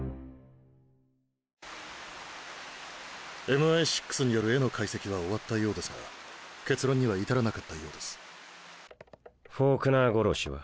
・ＭＩ６による絵の解析は終わったようですが結論には至らなかったようです・フォークナー殺しは？